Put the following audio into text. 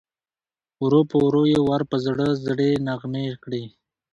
ورو په ورو یې ور په زړه زړې نغمې کړې